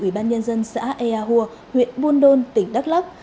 ủy ban nhân dân xã ea hùa huyện buôn đôn tỉnh đắk lắc